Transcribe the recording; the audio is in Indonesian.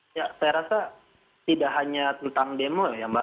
saya rasa tidak hanya tentang demo